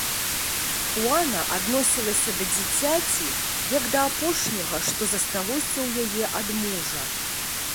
Хуана адносілася да дзіцяці, як да апошняга, што засталося ў яе ад мужа.